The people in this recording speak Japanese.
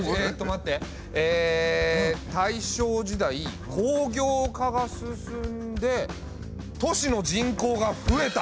え大正時代工業化が進んで都市の人口が増えた！